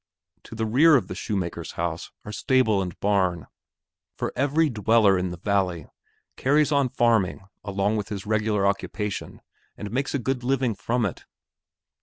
To the rear of the shoemaker's house are stable and barn; for every dweller in the valley carries on farming along with his regular occupation and makes a good living from it.